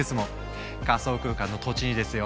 仮想空間の土地にですよ！